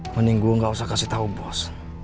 mending gue gak usah kasih tau bos